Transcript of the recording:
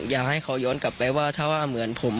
อยากให้เขาย้อนกลับไปว่าถ้าว่าเหมือนผม